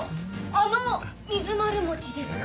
あの水まる餅ですか？